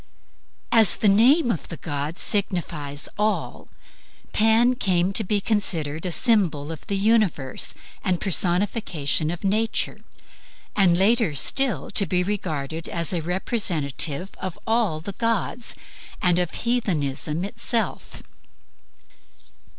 As the name of the god signifies ALL, Pan came to be considered a symbol of the universe and personification of Nature; and later still to be regarded as a representative of all the gods and of heathenism itself.